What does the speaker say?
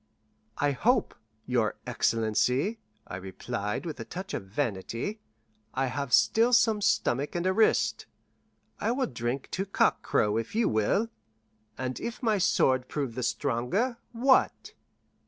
"I hope, your excellency," I replied, with a touch of vanity, "I have still some stomach and a wrist. I will drink to cockcrow, if you will. And if my sword prove the stronger, what?"